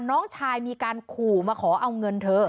น้องชายมีการขู่มาขอเอาเงินเธอ